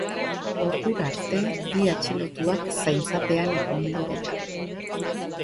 Ordura arte, bi atxilotuak zaintzapean egongo dira.